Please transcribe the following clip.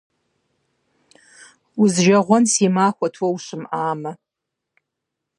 Узижэгъуэн си махуэт уэ ущымыӀамэ.